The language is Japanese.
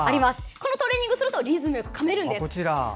このトレーニングをするとリズムよくかめるんです。